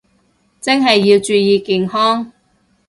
真係要注意健康